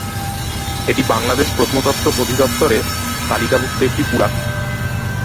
এটি বাংলাদেশ প্রত্নতত্ত্ব অধিদপ্তরে তালিকাভুক্ত একটি পুরাকীর্তি।